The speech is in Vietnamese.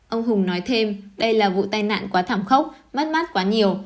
ông hùng nói thêm đây là vụ tai nạn quá thảm khốc mất mát quá nhiều